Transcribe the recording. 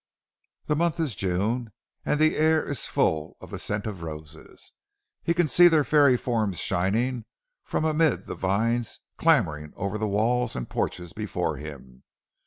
The month is June and the air is full of the scent of roses. He can see their fairy forms shining from amid the vines clambering over the walls and porches before him.